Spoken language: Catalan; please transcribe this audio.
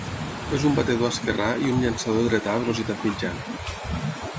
És un batedor esquerrà i un llançador dretà a velocitat mitjana.